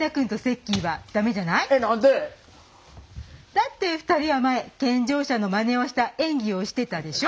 だって二人は前健常者のまねをした演技をしてたでしょ。